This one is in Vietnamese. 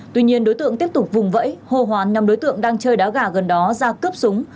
tuy nhiên đối tượng tiếp tục vùng vẫy hồ hoàn nhằm đối tượng đang chơi đá gà gần đó ra cướp súng